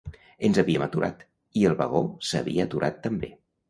Ens havíem aturat, i el vagó s"havia aturat també.